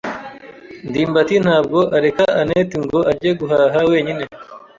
ndimbati ntabwo areka anet ngo ajye guhaha wenyine.